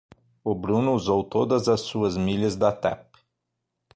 O Bruno usou todas as suas milhas da Tap.